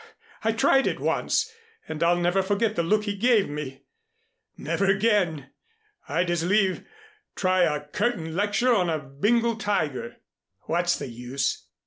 I tried it once, and I'll never forget the look he gave me. Never again! I'd as leave try a curtain lecture on a Bengal tiger." "What's the use?